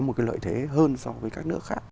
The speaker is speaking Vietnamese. một cái lợi thế hơn so với các nước khác